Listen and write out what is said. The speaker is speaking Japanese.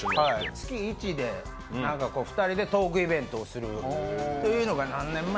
月１で２人でトークイベントをするというのが何年前？